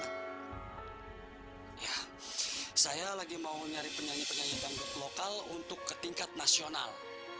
ya saya lagi mau nyari penyanyi penyanyi yang lebih lokal untuk ke tingkat nasional